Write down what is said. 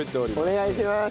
お願いします。